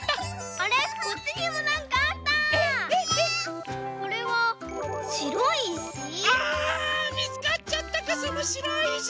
あみつかっちゃったかそのしろいいし。